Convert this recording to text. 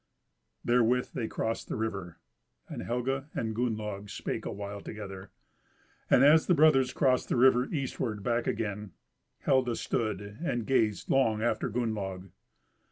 Therewith they crossed the river, and Helga and Gunnlaug spake awhile together, and as the brothers crossed the river eastward back again, Helga stood and gazed long after Gunnlaug.